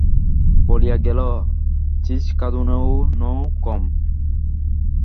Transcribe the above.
বলিয়া গেল, ছিচকাদুনেও নও কম।